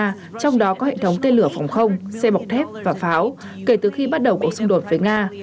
trong đó có hệ thống tên lửa phòng không xe bọc thép và pháo kể từ khi bắt đầu cuộc xung đột với nga